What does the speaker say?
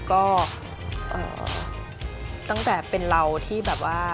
ก็ตั้งแต่เป็นเราที่แบบว่า